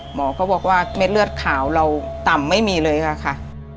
หมอก็บอกว่าเม็ดเลือดขาวเราต่ำไม่มีเลยค่ะ